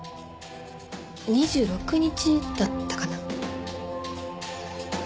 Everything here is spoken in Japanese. ２６日だったかな。